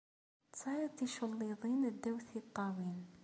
Tesɛid ticulliḍin ddaw tiṭṭawin.